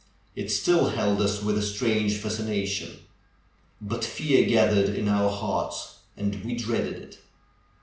It still held us with a strange fascination; but fear gathered in our hearts, and we dreaded it.